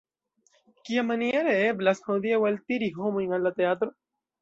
Kiamaniere eblas hodiaŭ altiri homojn al la teatro?